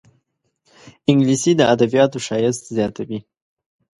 انګلیسي د ادبياتو ښایست زیاتوي